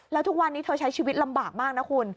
แล้วทุกวันนี้เธอใช้ชีวิตลำบากมากนะคุณ